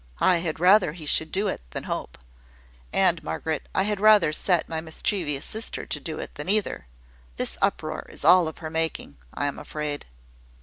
I had rather he should do it than Hope; and, Margaret, I had rather set my mischievous sister to do it than either. This uproar is all of her making, I am afraid."